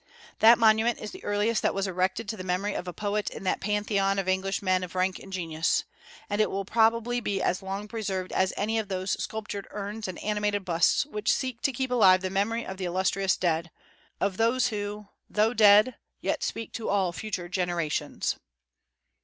That monument is the earliest that was erected to the memory of a poet in that Pantheon of English men of rank and genius; and it will probably be as long preserved as any of those sculptured urns and animated busts which seek to keep alive the memory of the illustrious dead, of those who, though dead, yet speak to all future generations.